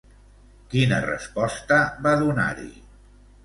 Quina resposta va donar-hi?